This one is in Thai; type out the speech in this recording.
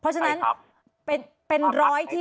เพราะฉะนั้นเป็นร้อยที่